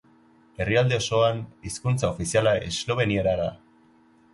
Herrialde osoan hizkuntza ofiziala esloveniera da.